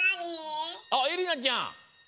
あっえりなちゃん。